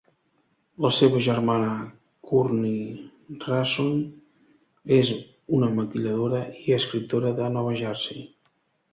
La seva germana Courtney Rashon és una maquilladora i escriptora de Nova Jersey.